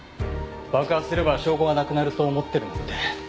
爆破すれば証拠がなくなると思ってるなんて。